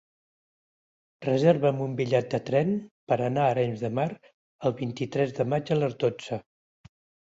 Reserva'm un bitllet de tren per anar a Arenys de Mar el vint-i-tres de maig a les dotze.